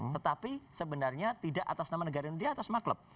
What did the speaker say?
tetapi sebenarnya tidak atas nama negara indonesia dia atas nama klub